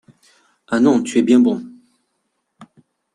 Ah ! non ! tu es bien bon !…